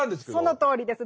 そのとおりです。